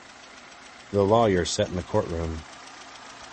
The lawyer sat in the courtroom.